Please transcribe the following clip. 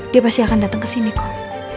dia pasti akan datang ke sini kok